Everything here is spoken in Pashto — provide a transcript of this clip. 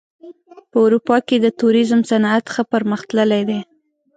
په اروپا کې د توریزم صنعت ښه پرمختللی دی.